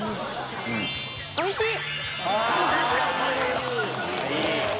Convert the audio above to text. おいしい！